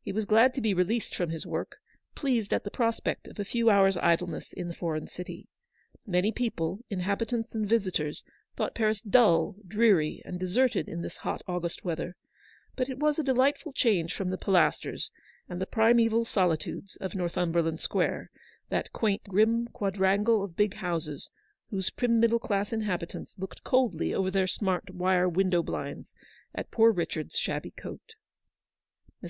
He was glad to be released from his work, pleased at the prospect of a few hours^idlenessln the foreign city. Many people, inhabitants and visitors, thought Paris dull, dreary, and deserted in this hot August weather, but it was a delightful change from the Pilasters and the primseval solitudes of Northum berland Square, that quaint, grim quadrangle of big houses, whose prim middle class inhabitants looked coldly over their smart wire window blinds at poor Richard's shabby coat. Mr.